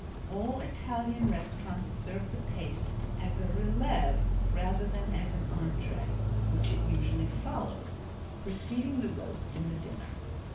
All Italian restaurants serve the paste as a releve rather than as an entree, which it usually follows, preceding the roast in the dinner.